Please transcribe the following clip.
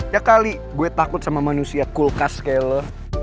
ya kali gue takut sama manusia kulkas kayak lo